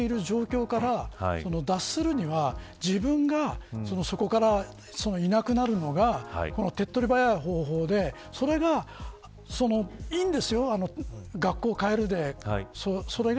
でもやはり、今そのいじめられている状況から脱するには自分がそこからいなくなるのが手っ取り早い方法でいいんですよ、学校変えるで。